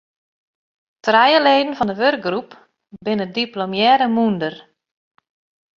Trije leden fan de wurkgroep binne diplomearre mûnder.